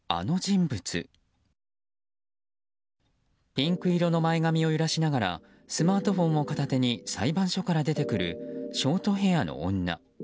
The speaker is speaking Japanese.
ピンク色の前髪を揺らしながらスマートフォンを片手に裁判所から出てくるショートヘアの女。